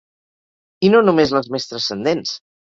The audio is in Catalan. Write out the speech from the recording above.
I no només les més trascendents.